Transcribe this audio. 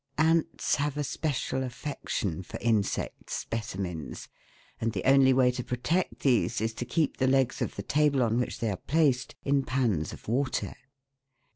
Ants have a special affection for insect " specimens," and the only way to protect these is to keep the legs of the table on which they are placed in pans of water.